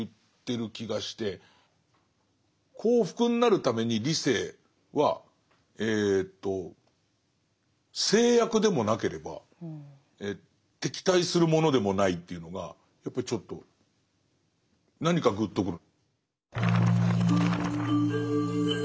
幸福になるために理性は制約でもなければ敵対するものでもないというのがやっぱりちょっと何かぐっとくる。